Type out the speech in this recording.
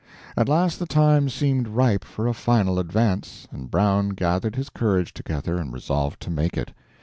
At last the time seemed ripe for a final advance, and Brown gathered his courage together and resolved to make it.